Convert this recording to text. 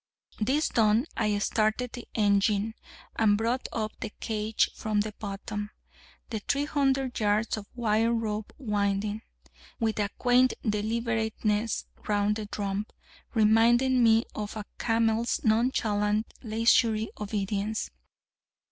This done, I started the engine, and brought up the cage from the bottom, the 300 yards of wire rope winding with a quaint deliberateness round the drum, reminding me of a camel's nonchalant leisurely obedience.